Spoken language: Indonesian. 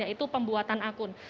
yaitu pembuatan akun